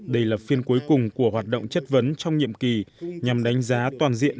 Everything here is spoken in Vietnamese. đây là phiên cuối cùng của hoạt động chất vấn trong nhiệm kỳ nhằm đánh giá toàn diện